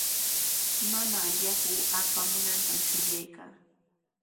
Mamaa yaku apamunantami shuyaykaa.